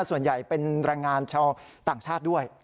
ส่วนใหญ่เป็นแรงงานชาวต่างชาติด้วย